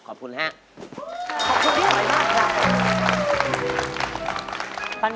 ขอบคุณมากครับ